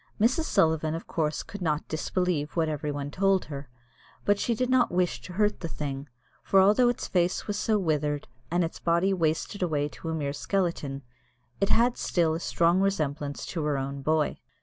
Mrs. Sullivan of course could not disbelieve what every one told her, but she did not wish to hurt the thing; for although its face was so withered, and its body wasted away to a mere skeleton, it had still a strong resemblance to her own boy.